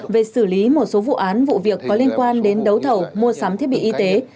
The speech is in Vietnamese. về xử lý một số vụ án vụ việc có liên quan đến đấu thầu mua sắm thiết bị y tế